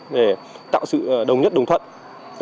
để tạo sự đồng nhất đồng thuận